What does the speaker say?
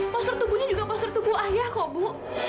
poster tubuhnya juga poster tubuh ayah kok bu